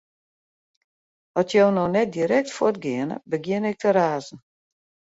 At jo no net direkt fuort geane, begjin ik te razen.